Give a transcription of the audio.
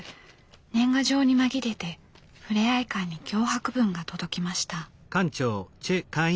年賀状に紛れてふれあい館に脅迫文が届きました。